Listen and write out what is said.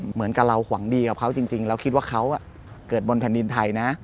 เหมือนกับเราหวังดีกับเขาจริงแล้วคิดว่าเขาเกิดบนแผ่นดินไทยนะ